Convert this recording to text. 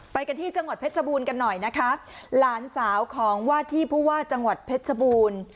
ไปกันที่จังหวัดเพชรบูรณ์กันหน่อยนะคะหลานสาวของว่าที่ผู้ว่าจังหวัดเพชรบูรณ์